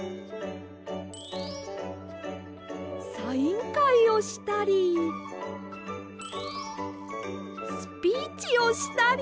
サインかいをしたりスピーチをしたり。